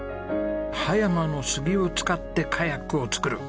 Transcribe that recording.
葉山の杉を使ってカヤックを作る。